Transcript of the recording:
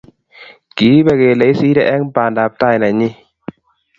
Kiipe kele isire eng pandaptai nenyi